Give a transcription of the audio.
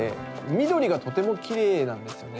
緑がとてもきれいなんですよね。